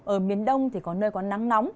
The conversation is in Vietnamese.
ở miền đông thì có nơi có nắng nóng